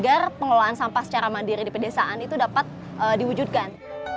agar pengelolaan sampah secara mandiri di pedesaan itu dapat diwujudkan